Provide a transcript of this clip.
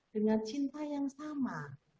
dengan cinta yang sama